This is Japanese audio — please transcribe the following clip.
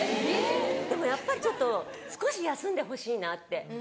でもやっぱりちょっと少し休んでほしいなって。